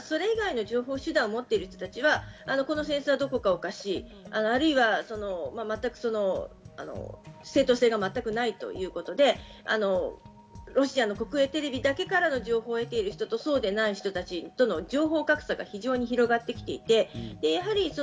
それ以外の情報手段を持っている人たちはこの戦争はどこかおかしい、全く正当性がないということで、ロシアの国営テレビだけからの情報を得ている人とそうでない人たちとの情報格差が非常に広がってきています。